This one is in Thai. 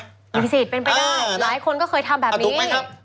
มีสิทธิ์เป็นไปได้หลายคนก็เคยทำแบบนี้